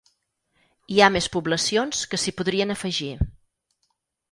Hi ha més poblacions que s’hi podrien afegir.